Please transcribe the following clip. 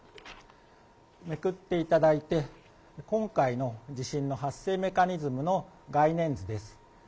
めくっていただいて、今回の地震の発生メカニズムの外面図です。